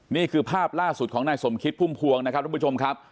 นี่คือภาพล่าสุดของนายสมคิดพุ่มพวงนะครับทุกผู้ชมครับ